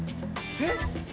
えっ？